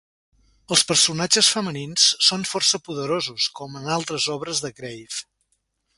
Els personatges femenins són força poderosos, com en altres obres de Graves.